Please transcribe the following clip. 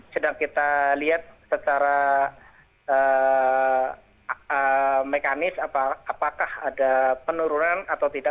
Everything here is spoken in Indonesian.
sedang kita lihat secara mekanis apakah ada penurunan atau tidak